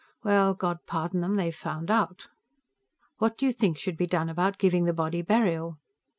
Well, God pardon them, they've found out! What do you think should be done about giving the body burial?